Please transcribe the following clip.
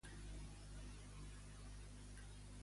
Què era, en la creença inca, Pachacamac?